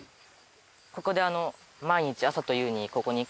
ここで。